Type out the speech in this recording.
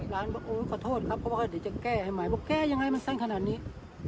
ร้านบอกโอ้ขอโทษครับเพราะว่าเดี๋ยวจะแก้ให้ใหม่บอกแก้ยังไงมันสั้นขนาดนี้